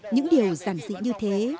những điều giản dị như thế